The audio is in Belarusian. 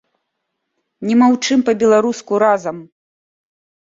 Не маўчым па-беларуску разам!